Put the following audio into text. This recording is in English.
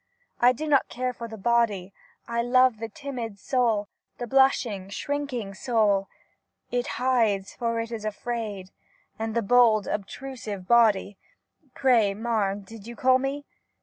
I do not care for the body, I love the timid soul, the blush ing, shrinking soul ; it hides, for it is afraid, and the bold, obtrusive body — Pray, marm, did you call 7ne